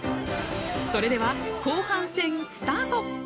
それでは、後半戦スタート！